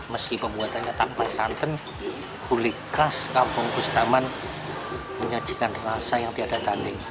meski pembuatannya tanpa santan gulai khas kampung bustaman menyajikan rasa yang tidak ada ganding